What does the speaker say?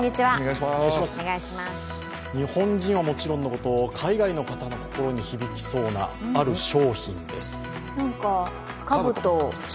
日本人はもちろんのこと、海外の方の心に響きそうなかぶと？